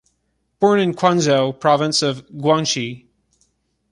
Born in Quanzhou, province of Guangxi.